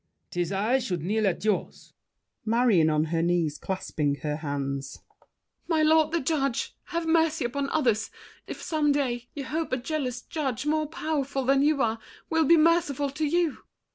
'Tis I should kneel at yours. MARION (on her knees, clasping her hands). My lord the judge, Have mercy upon others, if some day You hope a jealous judge, more powerful Than you are, will be merciful to you!